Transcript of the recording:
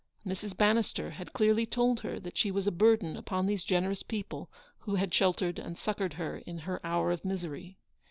Mrs. Bannister had clearly told her that she was a burden upon these generous people who had sheltered and succoured her in her hour of misery.